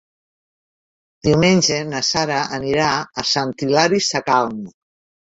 Diumenge na Sara anirà a Sant Hilari Sacalm.